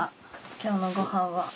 今日のごはんは。